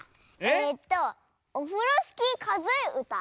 えっと「オフロスキーかぞえうた」？